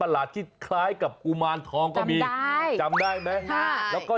ลาวาโครนมันผล